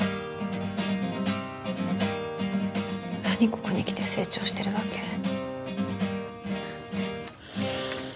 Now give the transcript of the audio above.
何ここにきて成長してるわけ？